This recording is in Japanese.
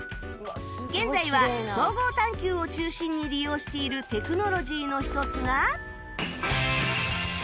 現在は総合探究を中心に利用しているテクノロジーの一つが